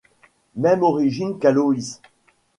Même origine qu'Aloïs.